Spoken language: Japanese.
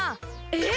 えっ！？